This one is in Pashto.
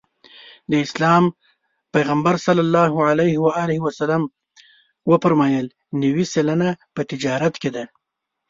د اسلام پیغمبر ص وفرمایل نوې سلنه په تجارت کې ده.